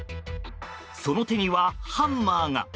その手にはハンマーが。